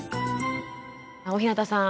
大日向さん